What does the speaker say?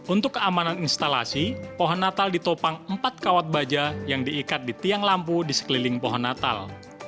untuk keamanan instalasi pohon natal ditopang empat kawat baja yang diikat di tiang lampu di sekeliling pohon natal